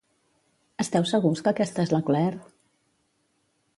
Esteu segurs que aquesta és la Claire?